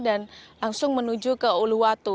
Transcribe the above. dan langsung menuju ke uluwatu